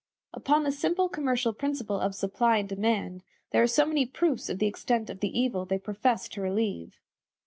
Upon the simple commercial principle of supply and demand these are so many proofs of the extent of the evil they profess to relieve.